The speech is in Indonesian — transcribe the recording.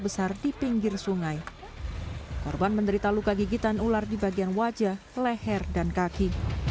besar di pinggir sungai korban menderita luka gigitan ular di bagian wajah leher dan kaki